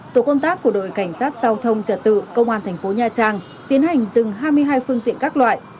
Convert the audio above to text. tổ công tác của đội cảnh sát giao thông trở tự công an thành phố nha trang tiến hành dừng hai mươi hai phương tiện các loại